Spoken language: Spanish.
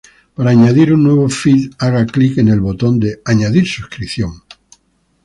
Para añadir un nuevo feed, haga clic en el botón de "Añadir suscripción".